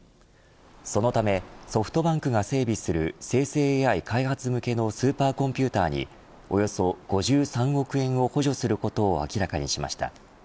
そのためソフトバンクが整備する生成ＡＩ開発向けのスーパーコンピューターにおよそ５３億円を補助することを明らかにしました。